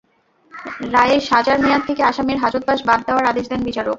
রায়ে সাজার মেয়াদ থেকে আসামির হাজতবাস বাদ দেওয়ার আদেশ দেন বিচারক।